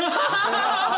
ハハハハ！